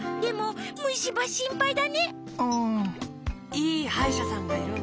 いいはいしゃさんがいるんだ。